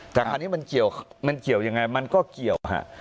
แต่คราวนี้มันเกี่ยวยังไงมันก็เกี่ยวฮะ